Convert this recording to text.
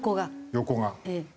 横が。